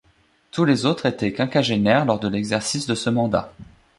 Tous les autres étaient quinquagénaires lors de l'exercice de ce mandat.